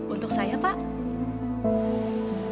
untuk saya pak